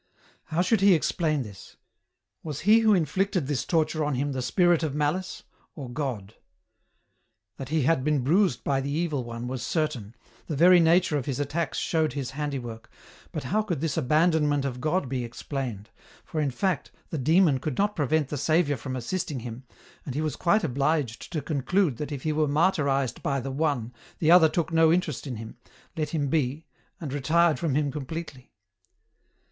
How should he explain this ? Was he who inflicted this torture on him the Spirit of Malice, or God ? That he had been bruised by the Evil One was certain, the very nature of his attacks showed his handiwork, but how could this abandonment of God be explained, for in fact, the Demon could not prevent the Saviour from assisting him, and he was quite obliged to conclude that if he were mart5aized by the one, the Other took no interest in him, let him be, and retired from him completely